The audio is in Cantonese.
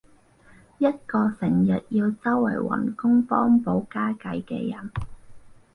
一個成日要周圍搵工幫補家計嘅人